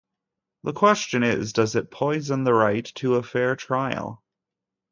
The question is, does it poison the right to a fair trial?